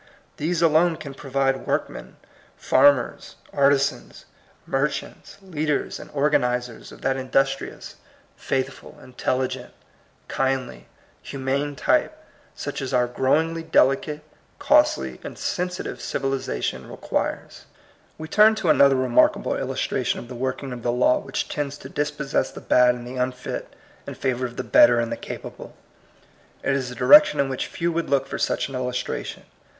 These alone can provide workmen, farmers, arti sans, merchants, leaders, and organizers CERTAIN CLEAR FACTS. 23 of that industrious, faithful, intelligent, kindly, humane type, such as our grow ingly delicate, costly, and sensitive civili zation requires. We turn to another remarkable illustra tion of the working of the law which tends to dispossess the bad and the unfit in favor of the better and the capable. It is a direction in which few would look for such an illustration.